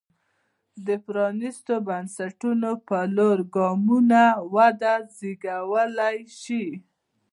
د پرانېستو بنسټونو په لور ګامونه وده زېږولی شي.